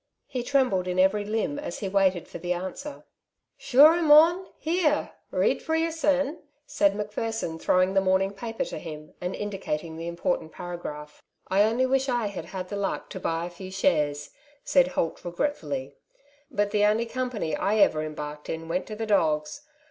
He trembled in every limb as he waited for the answer. .'* Sure, mon ? Here, read for yoursen '," said 94 " '^"^0 Sides to every Question^ Macpherson, throwing the morning paper to Wm, and indicating the important paragraph. '^ I only wish I had had the luck to buy a few shares/' said Holt regretfully: '^but the only company I ever embarked in went to the doga.